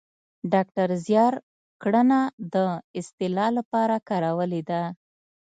ډاکتر زیار ګړنه د اصطلاح لپاره کارولې ده